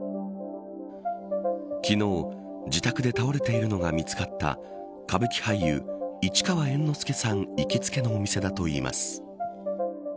昨日、自宅で倒れているのが見つかった歌舞伎俳優、市川猿之助さん行きつけのお店だといいます。